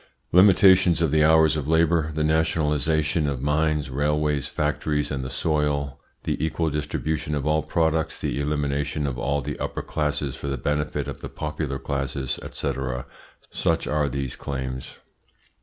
Limitations of the hours of labour, the nationalisation of mines, railways, factories, and the soil, the equal distribution of all products, the elimination of all the upper classes for the benefit of the popular classes, &c., such are these claims.